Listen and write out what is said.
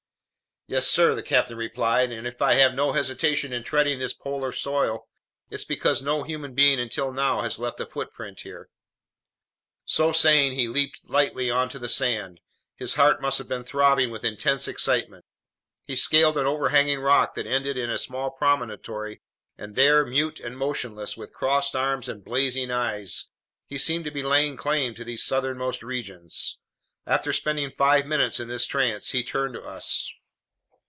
"Yes, sir," the captain replied, "and if I have no hesitation in treading this polar soil, it's because no human being until now has left a footprint here." So saying, he leaped lightly onto the sand. His heart must have been throbbing with intense excitement. He scaled an overhanging rock that ended in a small promontory and there, mute and motionless, with crossed arms and blazing eyes, he seemed to be laying claim to these southernmost regions. After spending five minutes in this trance, he turned to us.